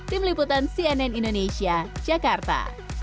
tim liputan cnn indonesia jakarta